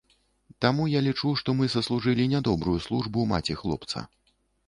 Таму я лічу, што мы саслужылі нядобрую службу маці хлопца.